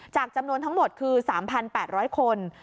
จำนวนทั้งหมดคือ๓๘๐๐คน